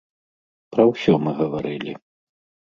Пра ўсё мы гаварылі.